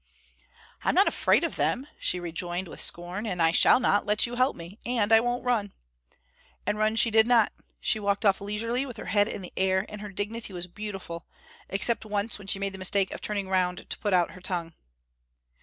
"I am not afraid of them," she rejoined, with scorn, "and I shall not let you help me, and I won't run." And run she did not; she walked off leisurely with her head in the air, and her dignity was beautiful, except once when she made the mistake of turning round to put out her tongue.